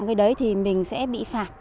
cái đấy thì mình sẽ bị phạt